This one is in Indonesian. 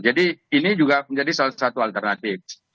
jadi ini juga menjadi salah satu alternatif